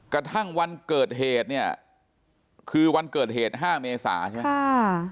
กระทั่งวันเกิดเหตุเนี่ยคือวันเกิดเหตุ๕เมษาใช่ไหม